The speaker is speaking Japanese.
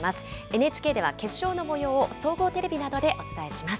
ＮＨＫでは決勝のもようを総合テレビなどでお伝えします。